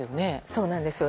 そうなんです。